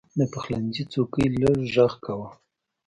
د پخلنځي څوکۍ لږ غږ کاوه.